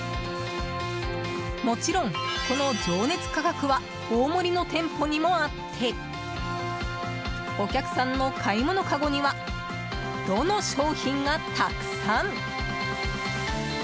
もちろん、この情熱価格は大森の店舗にもあってお客さんの買い物かごには「ド」の商品がたくさん！